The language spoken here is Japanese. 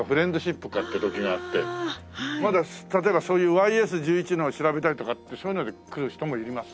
例えばそういうＹＳー１１のを調べたいとかってそういうので来る人もいます？